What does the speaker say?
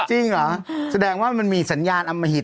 จริงเหรอแสดงว่ามันมีสัญญาณอมหิต